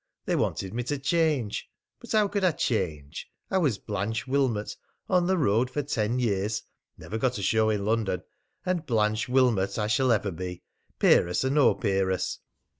They wanted me to change. But how could I change? I was Blanche Wilmot, on the road for ten years, never got a show in London, and Blanche Wilmot I shall ever be, peeress or no peeress!